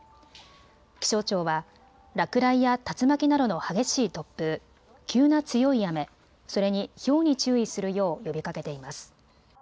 気象庁は落雷や竜巻などの激しい突風、急な強い雨、それにひょうに注意するよう呼びかけています。